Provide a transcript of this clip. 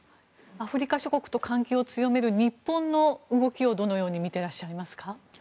アフリカ諸国と関係を強める日本の動きをどのように見ていらっしゃいますか？